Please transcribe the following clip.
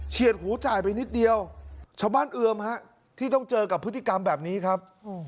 หูจ่ายไปนิดเดียวชาวบ้านเอือมฮะที่ต้องเจอกับพฤติกรรมแบบนี้ครับ